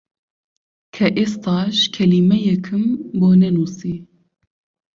کە ئێستاش کەلیمەیەکم بۆ نەنووسی!